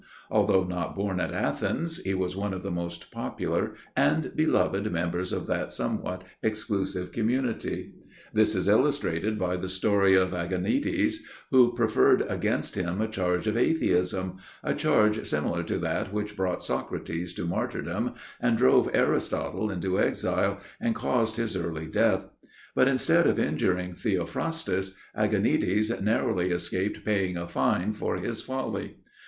Although not born at Athens, he was one of the most popular and beloved members of that somewhat exclusive community. This is illustrated by the story of Agonides, who preferred against him a charge of atheism,—a charge similar to that which brought Socrates to martyrdom and drove Aristotle into exile and caused his early death; but instead of injuring Theophrastus, Agonides narrowly escaped paying a fine for his folly.